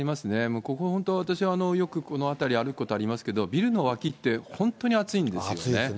もうここ、本当、私、よくこの辺り歩くことありますけど、ビルの脇って、本当に暑いんですよね。